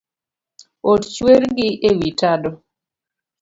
Ot chwer gi ewi tado